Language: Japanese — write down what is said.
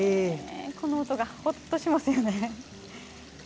この音がホッとしますよね。